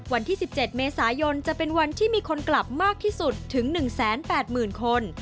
วันที่๑๗เมษายนจะเป็นวันที่มีคนกลับมากที่สุดถึง๑๘๐๐๐คน